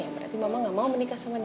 berarti mama gak mau menikah sama dia